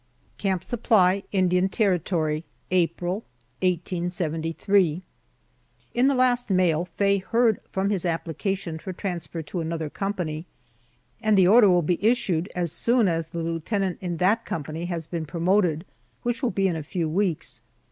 CAMP SUPPLY, INDIAN TERRITORY, April, 1873. IN the last mail Faye heard from his application for transfer to another company, and the order will be issued as soon as the lieutenant in that company has been promoted, which will be in a few weeks.